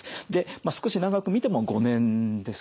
少し長く見ても５年ですかね。